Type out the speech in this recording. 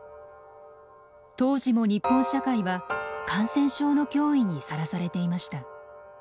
当時も日本社会は感染症の脅威にさらされていました。